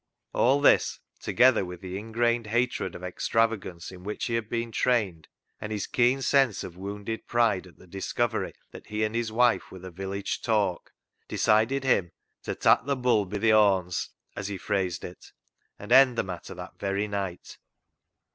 All this, together with the ingrained hatred of extravagance in which he had been trained, and his keen sense of wounded pride at the discovery that he and his wife were the village talk, decided him to " tak' th' bull bi' th' horns," as he phrased it, and end the matter that very night.